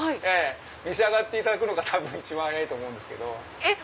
召し上がっていただくのが一番早いと思うんですけど。